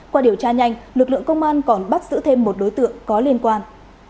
qua điều tra nhanh lực lượng công an còn bắt giữ thêm một đối tượng có liên quan